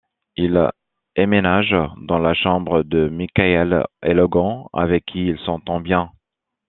Il emménage dans la chambre de Michael et Logan, avec qui il s'entend bien.